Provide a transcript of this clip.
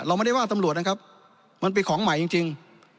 เราไม่ได้ว่าตำรวจนะครับมันเป็นของใหม่จริง